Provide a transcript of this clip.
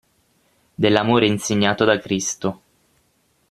Dell'amore insegnato da Cristo.